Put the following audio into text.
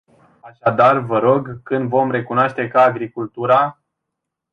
Așadar, vă rog, când vom recunoaște că agricultura...